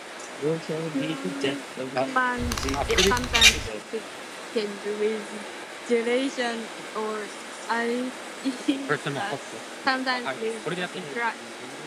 Blancmange is sometimes thickened with gelatin or isinglass, sometimes with starch.